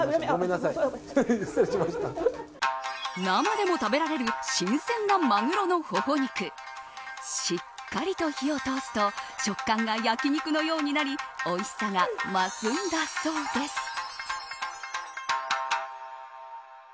生でも食べられる新鮮なマグロのほほ肉しっかりと火を通すと食感が焼き肉のようになりおいしさが増すんだそうです。